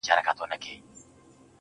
د سکريټو آخيري قطۍ ده پاته~